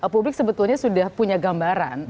publik sebetulnya sudah punya gambaran